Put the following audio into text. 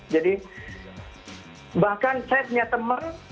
jadi bahkan saya punya teman